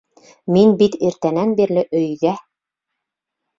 Мин бит иртәнән бирле өйҙә.